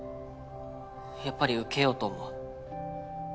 やっぱり受けようと思う。